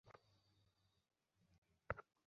সম্ভবত আরও কিছুকাল এইরূপ চলিবে, অন্যরূপ হইতে পারে না।